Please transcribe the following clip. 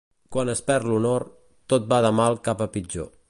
Quan es perd l'honor, tot va de mal cap a pitjor.